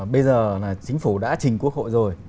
bây giờ là chính phủ đã trình quốc hội rồi